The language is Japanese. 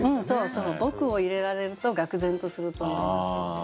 そうそう「僕」を入れられるとがく然とすると思います。